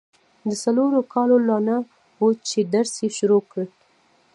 د څلورو کالو لا نه وه چي درس يې شروع کی.